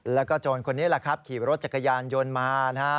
แล้วก็โจรคนนี้แหละครับขี่รถจักรยานยนต์มานะฮะ